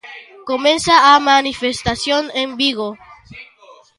Comeza a manifestación en Vigo.